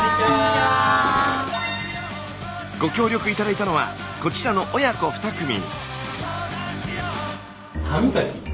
ご協力頂いたのはこちらの親子２組。